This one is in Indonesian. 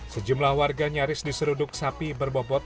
sejumlah warga nyaris diseruduk sapi berbobot